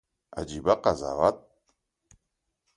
عجيبه قضاوت